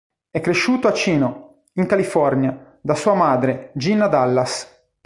È cresciuto a Chino, in California, da sua madre, Gina Dallas.